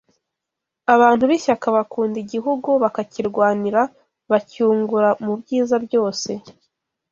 abantu b’ishyaka bakunda igihugu bakakirwanira bacyungura mu byiza byose